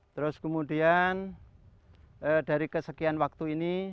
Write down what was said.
terus kemudian dari kesekian waktu ini